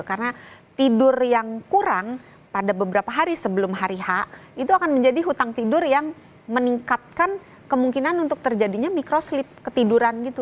karena tidur yang kurang pada beberapa hari sebelum hari h itu akan menjadi hutang tidur yang meningkatkan kemungkinan untuk terjadinya mikroslip ketiduran gitu